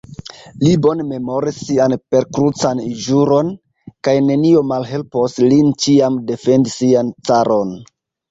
Li bone memoris sian perkrucan ĵuron, kaj nenio malhelpos lin ĉiam defendi sian caron.